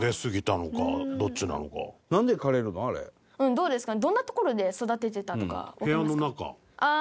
どうですかね。